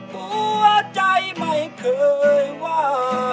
ผู้ใจไม่เคยว่า